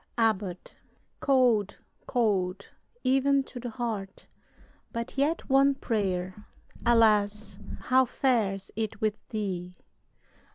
"ABBOT. Cold cold even to the heart; But yet one prayer. Alas! how fares it with thee?